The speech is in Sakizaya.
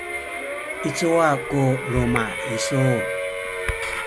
i cuwa ku luma’ isu?